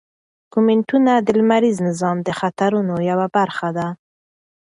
کومیټونه د لمریز نظام د خطرونو یوه برخه ده.